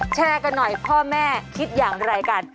แชร์กันหน่อยพ่อแม่คิดอย่างไรกัน